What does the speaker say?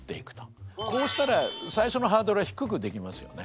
こうしたら最初のハードルは低くできますよね。